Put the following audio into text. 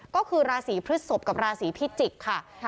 ก็คือราศีพฤศพกับราศีพิจิกษ์ค่ะ